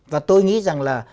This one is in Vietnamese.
và tôi nghĩ rằng là